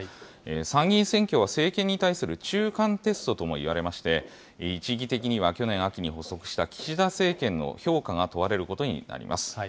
参議院選挙は政権に対する中間テストとも言われまして、一義的には、去年秋に発足した岸田政権の評価が問われることになります。